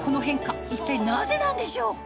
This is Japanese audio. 一体なぜなんでしょう？